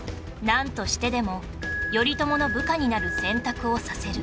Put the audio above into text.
なんとしてでも頼朝の部下になる選択をさせる